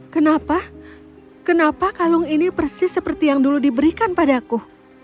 kenapa kenapa kalung ini persis seperti yang dulu diberikan padaku